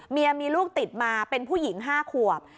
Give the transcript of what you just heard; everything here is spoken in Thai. เมียมีลูกติดมาเป็นผู้หญิง๕ขวบ